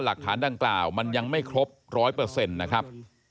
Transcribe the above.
หลักฐานดังกล่าวมันยังไม่ครบ๑๐๐นะครับ